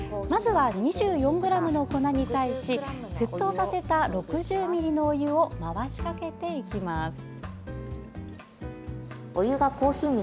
まずは２４ｇの粉に対し沸騰させた６０ミリのお湯を回しかけていきます。